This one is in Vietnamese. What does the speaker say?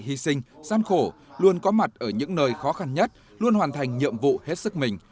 hy sinh gian khổ luôn có mặt ở những nơi khó khăn nhất luôn hoàn thành nhiệm vụ hết sức mình